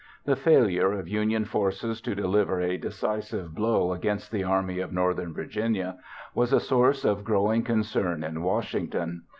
The failure of Union forces to deliver a decisive blow against the Army of Northern Virginia was a source of growing concern in Washington.